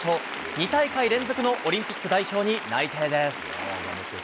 ２大会連続のオリンピック代表に内定です。